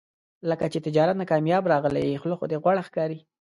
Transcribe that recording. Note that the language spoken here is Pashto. لکه چې تجارت نه کامیاب راغلی یې، خوله خو دې غوړه ښکاري.